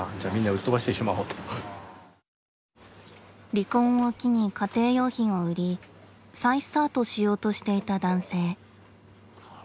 離婚を機に家庭用品を売り再スタートしようとしていた男性。